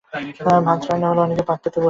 ভাত রান্না হলে অনেকেই পাত পেতে বসে যায়।